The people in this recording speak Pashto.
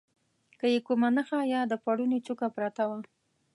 که یې کومه نخښه یا د پوړني څوکه پرته وه.